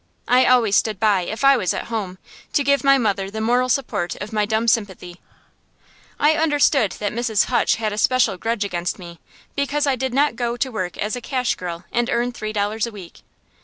I always stood by, if I was at home, to give my mother the moral support of my dumb sympathy. I understood that Mrs. Hutch had a special grudge against me, because I did not go to work as a cash girl and earn three dollars a week.